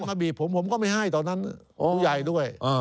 ใครเส้นมาบีบผมผมว่าผมไปอย่างนั้นลูกใหญ่ด้วย